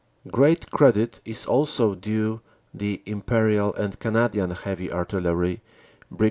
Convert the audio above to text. Great credit is also due the Imperial and Canadian Heavy Artillery, Brig.